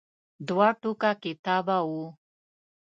دوه ټوکه کتاب و.